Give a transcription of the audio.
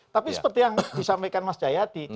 tapi seperti yang disampaikan mas jayadi